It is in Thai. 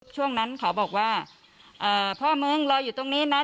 ช่วงนั้นเขาบอกว่าพ่อมึงรออยู่ตรงนี้นะ